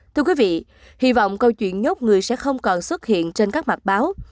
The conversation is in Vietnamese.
thưa quý vị hy vọng câu chuyện nhốt người sẽ không còn xuất hiện trên các mặt báo